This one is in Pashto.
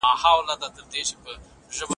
ذمي ته په درنه سترګه وګورئ.